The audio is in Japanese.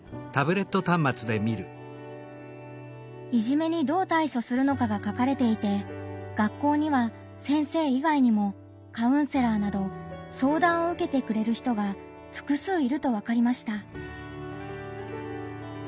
いじめにどう対処するのかが書かれていて学校には先生以外にもカウンセラーなど相談を受けてくれる人が複数いるとわかりました。